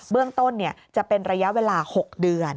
เรื่องต้นจะเป็นระยะเวลา๖เดือน